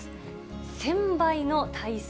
１０００倍の耐性。